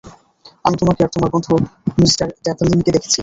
আমি তোমাকে আর তোমার বন্ধু মিস্টার ডেভলিনকে দেখছিলাম।